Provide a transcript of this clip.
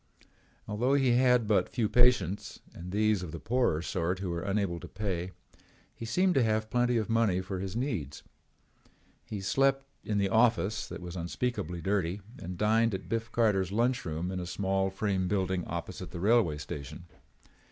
Although he had but few patients and these of the poorer sort who were unable to pay, he seemed to have plenty of money for his needs. He slept in the office that was unspeakably dirty and dined at Biff Carter's lunch room in a small frame building opposite the railroad station.